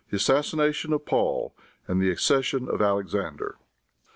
ASSASSINATION OF PAUL AND ACCESSION OF ALEXANDER.